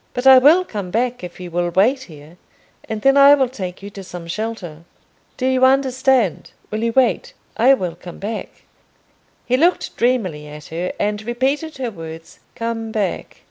But I will come back if you will wait here, and then I will take you to some shelter. Do you understand? Will you wait? I will come back." He looked dreamily at her, and repeated her words, "come back."